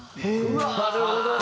なるほど！